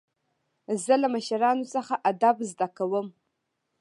زه له مشرانو څخه ادب زده کوم.